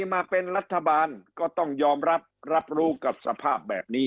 มาเป็นรัฐบาลก็ต้องยอมรับรับรู้กับสภาพแบบนี้